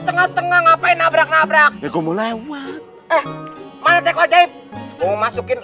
tengah tengah ngapain nabrak nabrak gua mau lewat eh mana kek wajib mau masukin